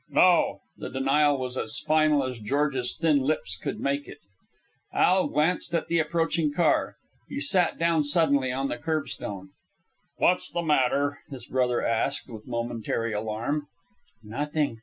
"No." The denial was as final as George's thin lips could make it. Al glanced at the approaching car. He sat down suddenly on the curbstone. "What's the matter?" his brother asked, with momentary alarm. "Nothing.